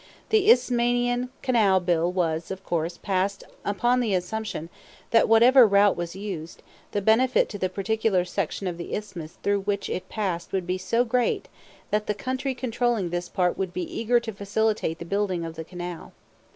The Isthmian Canal bill was, of course, passed upon the assumption that whatever route was used, the benefit to the particular section of the Isthmus through which it passed would be so great that the country controlling this part would be eager to facilitate the building of the canal.